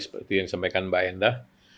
seperti yang disampaikan mbak endah